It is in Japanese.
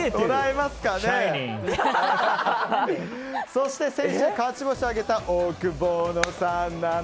そして、先週勝ち星を挙げたオオクボーノさん